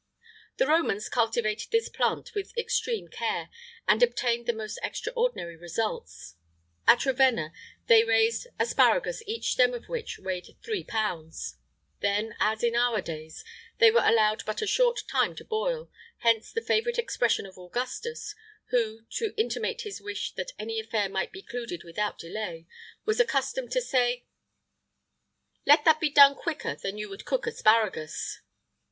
The Romans cultivated this plant with extreme care,[IX 50] and obtained the most extraordinary results. At Ravenna, they raised asparagus each stem of which weighed three pounds.[IX 51] Then, as in our days, they were allowed but a short time to boil; hence the favourite expression of Augustus, who, to intimate his wish that any affair might be concluded without delay, was accustomed to say: "Let that be done quicker than you would cook asparagus."